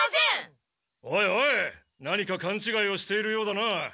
おいおい何かかんちがいをしているようだな。